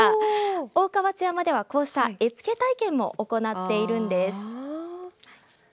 大川内山ではこうした絵付け体験も行っているんです。